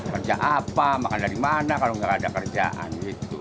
kerja apa makan dari mana kalau nggak ada kerjaan gitu